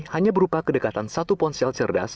hanya berupa kedekatan satu ponsel cerdas